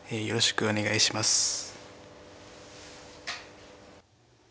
よろしくお願いします。